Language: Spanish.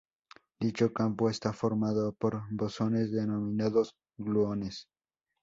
Dicho campo está formado por bosones denominados gluones.